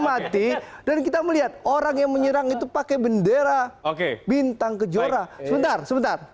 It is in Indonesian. mati dan kita melihat orang yang menyerang itu pakai bendera oke bintang kejora sebentar sebentar